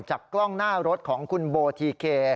กล้องหน้ารถของคุณโบทีเค